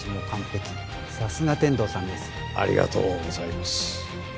ありがとうございます。